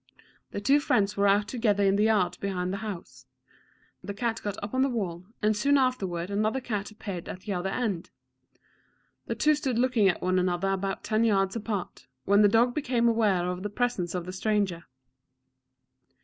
The two friends were out together in the yard behind the house. The cat got up on a wall, and soon afterward another cat appeared at the other end. The two stood looking at one another about ten yards apart, when the dog became aware of the presence of the stranger.